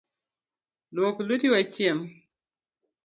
Luok lueti wachiem.